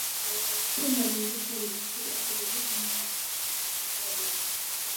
ფილმმა მიიღო შერეული შეფასებები კინოკრიტიკოსებისგან.